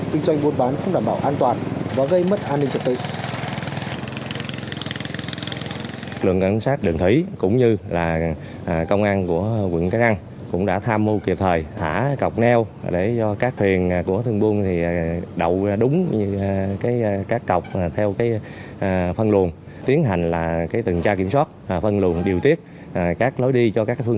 kinh doanh muôn bán không đảm bảo an toàn và gây mất an ninh trật tự